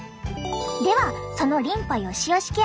ではそのリンパよしよしケア。